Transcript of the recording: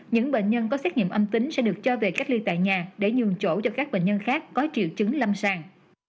những bệnh nhân có xét nghiệm âm tính sẽ được cho về cách ly tại nhà để nhường chỗ cho các bệnh nhân khác có triệu chứng lâm sàng